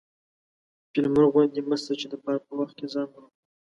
فيل مرغ غوندي مه سه چې د بار په وخت کې ځان مرغ